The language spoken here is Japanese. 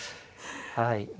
はい。